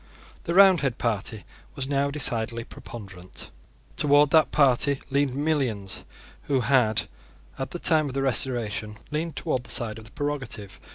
The Roundhead party was now decidedly preponderant. Towards that party leaned millions who had, at the time of the Restoration, leaned towards the side of prerogative.